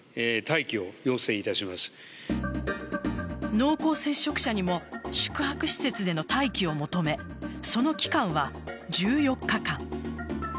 濃厚接触者にも宿泊施設での待機を求めその期間は１４日間。